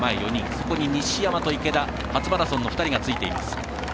そこに西山と池田初マラソンの２人がついています。